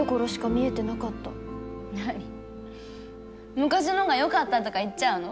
昔のほうがよかったとか言っちゃうの？